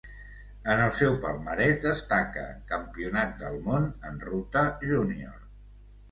En el seu palmarès destaca Campionat del món en ruta júnior.